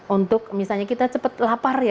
untuk misalnya kita cepat lapar ya